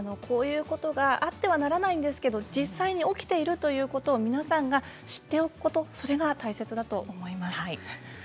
こういうことがあってはならないんですが実際に起きているということも皆さんが知っておくことそれが大切だと思います。